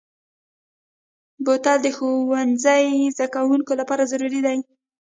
بوتل د ښوونځي زدهکوونکو لپاره ضروري دی.